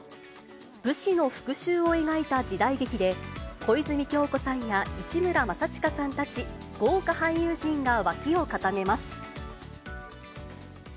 武士の復しゅうを描いた時代劇で、小泉今日子さんや市村正親さんたち、豪華俳優陣が脇を固めます。